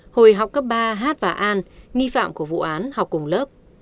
hồi học cấp ba h và an nghi phạm của vụ án học cùng lớp